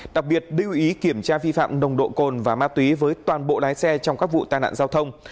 đặc biệt lưu ý kiểm tra vi phạm nồng độ cồn và ma túy với toàn bộ lái xe trong các vụ tai nạn giao thông